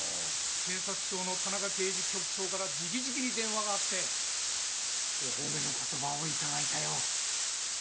警察庁の田中刑事局長から直々に電話があってお褒めの言葉を頂いたよ。